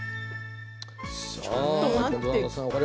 ちょっと待って。